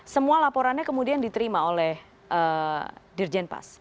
semua laporannya kemudian diterima oleh dirjenpas